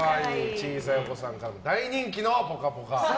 小さいお子さんからも大人気の「ぽかぽか」。